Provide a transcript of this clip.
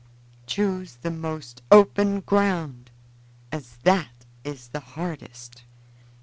Choose the most open ground, as that is the hardest."